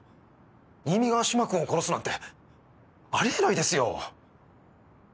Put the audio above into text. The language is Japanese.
新見が嶋君を殺すなんてあり得ないですよ。